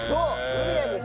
海なんです。